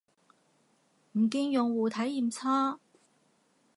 唔見用戶體驗差